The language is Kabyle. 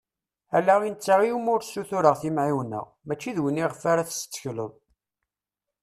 Ala i netta iwumi ur ssutureɣ timεiwna, mačči d win iɣef ara tettekleḍ.